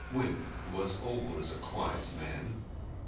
Wimp was always a quiet man.